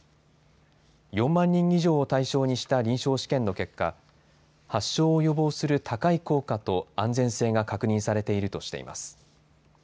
４万人以上を対象にした臨床試験の結果発症を予防する高い効果と安全性が確認されているとしています。